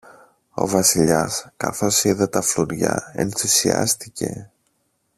Ο Βασιλιάς, καθώς είδε τα φλουριά, ενθουσιάστηκε.